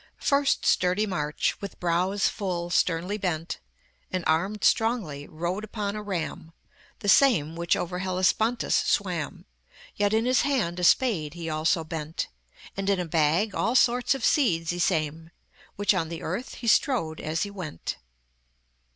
"First sturdy March, with brows full sternly bent, And armed strongly, rode upon a Ram, The same which over Hellespontus swam; Yet in his hand a spade he also bent, And in a bag all sorts of seeds ysame, Which on the earth he strowed as he went."